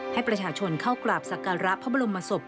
ให้ประชาชนเข้ากราบสักการะพระบรมศพ